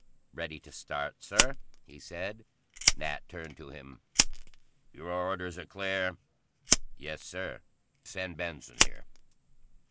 "Ready to start, Sir," he said. Nat turned to him. "Your orders are clear?" "Yes, Sir." "Send Benson here."